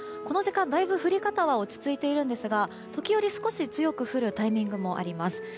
この時間、だいぶ降り方は落ち着いているんですが時折、少し強く降るタイミングもあります。